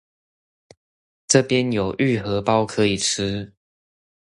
這邊有玉荷包可以吃